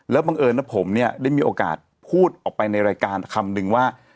บังเอิญนะผมเนี่ยได้มีโอกาสพูดออกไปในรายการคำนึงว่า